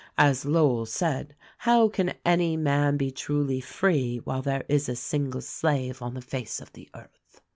As Lowell said 'How can any man be truly free while there is a single slave on the face of the earth